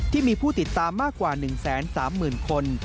ที่มีผู้ติดตามมากกว่า๑๓๐๐๐๐คน